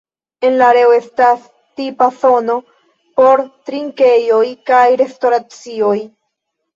En la areo estas tipa zono por trinkejoj kaj restoracioj.